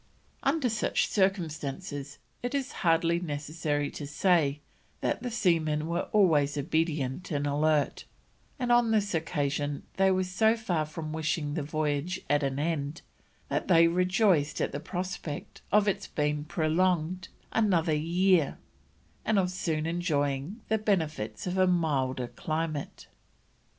Under such circumstances it is hardly necessary to say, that the seamen were always obedient and alert; and on this occasion they were so far from wishing the voyage at an end, that they rejoiced at the prospect of its being prolonged another year and of soon enjoying the benefits of a milder climate."